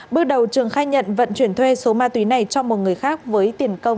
bước đầu trường khai nhận vận chuyển thuê số ma tùy này cho một người khác với tiền công bảy triệu đồng